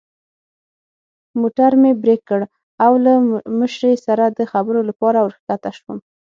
موټر مې برېک کړ او له مشرې سره د خبرو لپاره ور کښته شوم.